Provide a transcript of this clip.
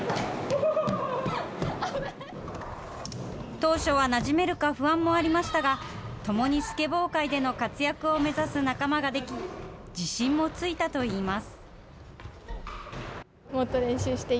当初はなじめるか不安もありましたが、共にスケボー界での活躍を目指す仲間が出来、自信もついたといいます。